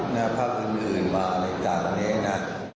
หน้าภาคอื่นมาอะไรต่างนี่น่ะ